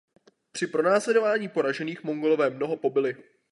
Při pronásledování poražených Mongolové mnoho pobili.